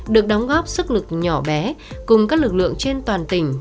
được đóng góp sức lực nhỏ bé cùng các lực lượng trên toàn tỉnh